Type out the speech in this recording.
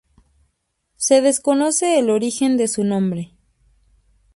Se desconoce el origen de su nombre.